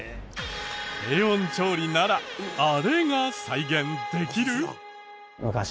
低温調理ならあれが再現できる！？